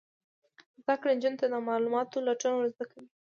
زده کړه نجونو ته د معلوماتو لټون ور زده کوي.